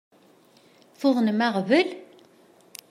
Tuḍnem aɣbel?